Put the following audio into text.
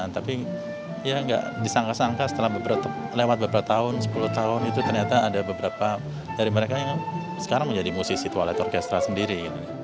tapi ya nggak disangka sangka setelah beberapa lewat beberapa tahun sepuluh tahun itu ternyata ada beberapa dari mereka yang sekarang menjadi musisi toilet orkestra sendiri